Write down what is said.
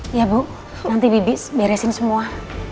iya bu nanti bibis beresin semua